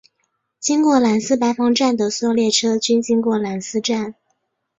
经过兰斯白房站的所有列车均经过兰斯站。